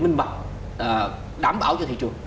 minh mạch đảm bảo cho thị trường